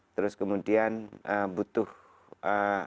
terus kemudian butuh ee